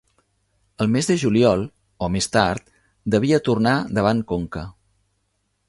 El mes de juliol o més tard, devia tornar davant Conca.